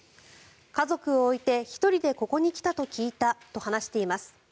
家族を置いて１人でここに来たと聞いたと話しています。